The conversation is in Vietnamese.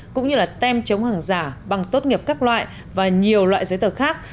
cũng như là tem chống hàng giả bằng tốt nghiệp các loại và nhiều loại giấy tờ khác